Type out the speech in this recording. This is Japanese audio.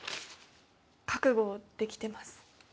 覚悟できてます。